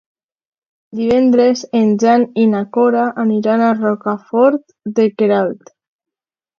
Divendres en Jan i na Cora aniran a Rocafort de Queralt.